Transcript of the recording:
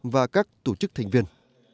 và các tổ chức thành viên